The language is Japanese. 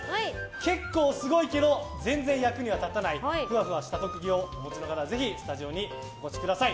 結構すごいけど全然役には立たないふわふわした特技をお持ちの方はスタジオにお越しください。